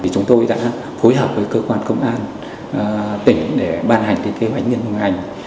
chúng tôi đã phối hợp với cơ quan công an tỉnh để ban hành kế hoạch nghiên cứu ngành